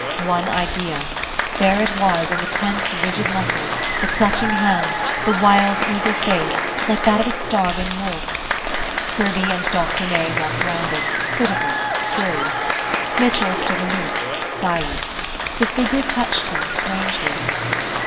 One idea: there it was in the tense, rigid muscles, the clutching hands, the wild, eager face, like that of a starving wolf's. Kirby and Doctor May walked around it, critical, curious. Mitchell stood aloof, silent. The figure touched him strangely.